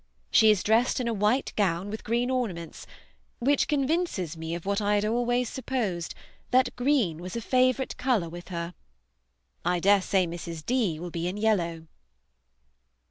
She is dressed in a white gown, with green ornaments, which convinces me of what I had always supposed, that green was a favorite color with her. I dare say Mrs. D. will be in yellow."